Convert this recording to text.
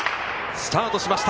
スタートしました。